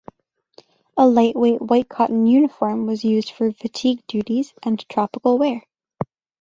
A lightweight white cotton uniform was used for fatigue duties and tropical wear.